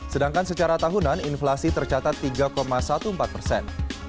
sedangkan secara tahunan inflasi tercatat tiga empat belas persen